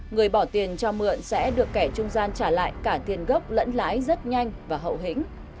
người bỏ tiền cho mượn sẽ được kẻ trung gian trả lại cả tiền gốc lẫn lãi rất nhanh và hậu hĩnh